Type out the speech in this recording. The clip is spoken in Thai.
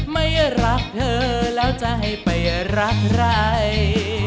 ไม่รักเธอแล้วจะให้ไปรักใคร